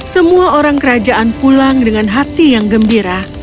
semua orang kerajaan pulang dengan hati yang gembira